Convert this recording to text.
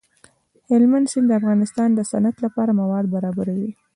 هلمند سیند د افغانستان د صنعت لپاره مواد برابروي.